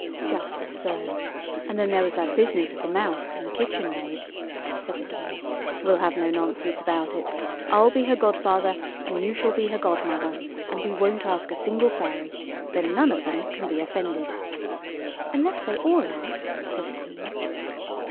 "Just so. And then there was that business of the mouse and the kitchen maids," said the King; "we'll have no nonsense about it. I'll be her godfather, and you shall be her godmother, and we won't ask a single fairy; then none of them can be offended." "Unless they all are," said the Queen.